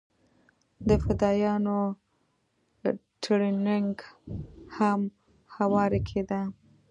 د فدايانو ټرېننگ هم هورې کېده.